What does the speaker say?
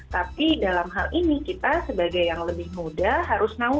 tapi dalam hal ini kita sebagai yang lebih muda harus tahu